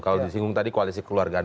kalau disinggung tadi koalisi keluarga